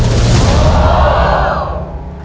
โอ้โห